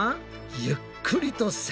ゆっくりと旋回。